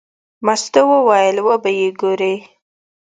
مستو وویل: وبه یې ګورې.